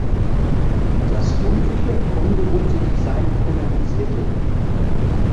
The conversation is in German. Das rundliche, ungewohnte Design polarisierte.